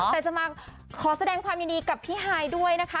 แต่จะมาขอแสดงความยินดีกับพี่ฮายด้วยนะคะ